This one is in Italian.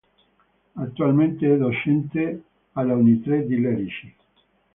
Attualmente è docente all’Unitre di Lerici.